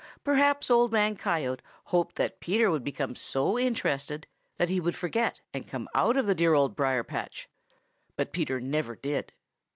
Perhaps Old Man Coyote hoped that Peter would become so interested that he would forget and come out of the dear Old Briar patch. But Peter never did.